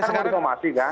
saya mau informasi kan